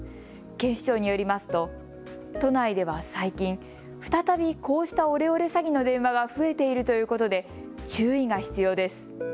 警視庁によりますと都内では最近、再びこうしたオレオレ詐欺の電話が増えているということで注意が必要です。